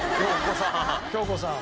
京子さん。